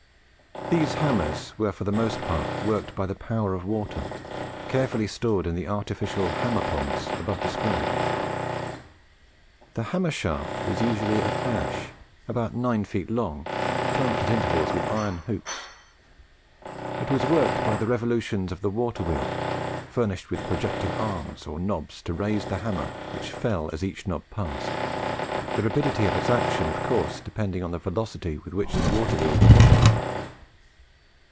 These hammers were for the most part worked by the power of water, carefully stored in the artificial "Hammer ponds" above described. The hammer shaft was usually of ash, about 9 feet long, clamped at intervals with iron hoops. It was worked by the revolutions of the water wheel, furnished with projecting arms or knobs to raise the hammer, which fell as each knob passed, the rapidity of its action of course depending on the velocity with which the water wheel revolved.